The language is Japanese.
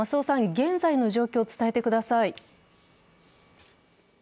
現在の状況を伝えてください。